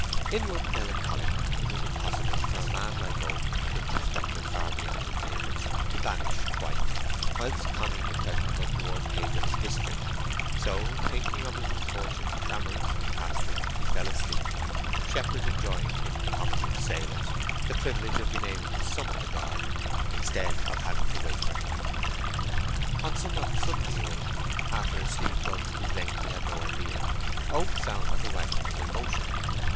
Inward melancholy it was impossible for a man like Oak, introspective far beyond his neighbours, to banish quite, whilst conning the present untoward page of his history. So, thinking of his misfortunes, amorous and pastoral, he fell asleep, shepherds enjoying, in common with sailors, the privilege of being able to summon the god instead of having to wait for him. On somewhat suddenly awaking, after a sleep of whose length he had no idea, Oak found that the waggon was in motion.